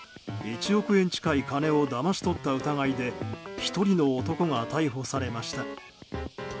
１億円近い金をだまし取った疑いで１人の男が逮捕されました。